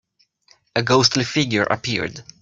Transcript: A ghostly figure appeared.